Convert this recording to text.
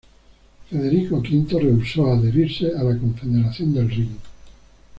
Federico V rehusó adherirse a la Confederación del Rin.